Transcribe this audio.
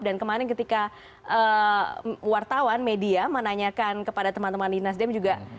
dan kemarin ketika wartawan media menanyakan kepada teman teman di nasdem juga